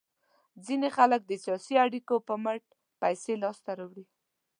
ځینې خلک د سیاسي اړیکو په مټ پیسې لاس ته راوړي.